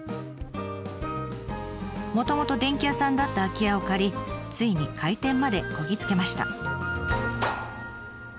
もともと電器屋さんだった空き家を借りついに開店までこぎ着けました。